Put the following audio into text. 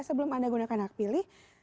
sebelum anda gunakan hak pilih